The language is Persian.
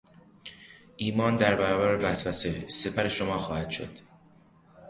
ایمان در برابر وسوسه سپر شما خواهد شد.